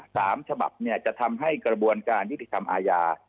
สามฉบับเนี่ยจะทำให้กระบวนการยุติธรรมอาญา